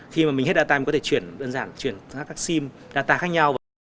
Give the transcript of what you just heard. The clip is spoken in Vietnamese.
khi mà mình hết data mình có thể đơn giản chuyển các sim data khác nhau